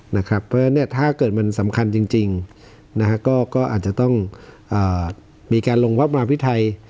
เพราะฉะนั้นถ้าเกิดมันสำคัญจริงก็อาจจะต้องมีการลงวัดมาพิไทย